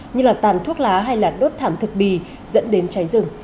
như là tàn thuốc lá hay là đốt thảm thực bì dẫn đến cháy rừng